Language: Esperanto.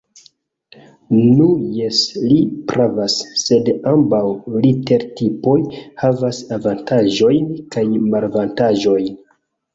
Nu jes, li pravas; sed ambaŭ litertipoj havas avantaĝojn kaj malavantaĝojn.